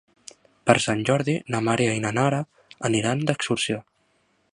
Per Sant Jordi na Maria i na Nara aniran d'excursió.